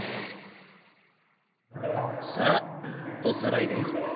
さあおさらいだよ。